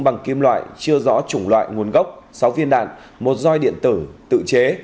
bằng kim loại chưa rõ chủng loại nguồn gốc sáu viên đạn một roi điện tử tự chế